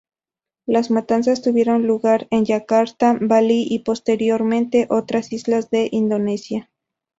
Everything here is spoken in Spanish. Las matanzas tuvieron lugar en Yakarta, Bali y posteriormente otras islas de Indonesia.